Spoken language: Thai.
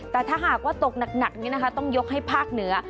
แต่ถ้าหากว่าตกหนักต้องยกให้ภาคเหนือ